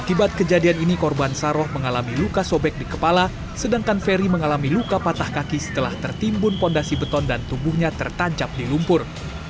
akibat kejadian ini korban saroh mengalami luka sobek di kepala sedangkan ferry mengalami luka patah kaki setelah tertimbun fondasi beton dan tubuhnya tertancap di lumpur